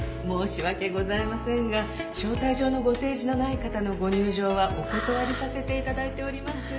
申し訳ございませんが招待状のご提示のない方のご入場はお断りさせて頂いております。